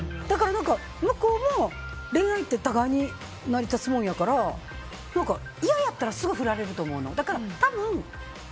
向こうは、恋愛って互いに成り立つものやからいややったらすぐフラれると思うの。